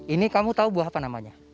ini kamu tahu buah apa namanya